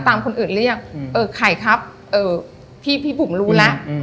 คนอื่นเรียกเออไข่ครับพี่พี่บุ๋มรู้แล้ว